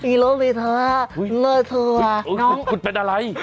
อีโลฟีเธอเลือดเธอน้องคุณเป็นอะไร